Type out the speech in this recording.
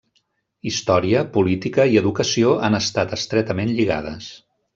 Història, política i educació han estat estretament lligades.